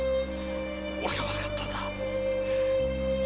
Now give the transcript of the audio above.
俺が悪かったんだ。